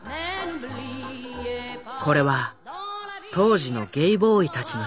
これは当時のゲイボーイたちの写真。